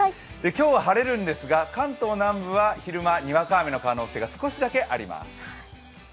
今日は晴れるんですが関東南部は昼間、にわか雨の可能性が少しだけあります。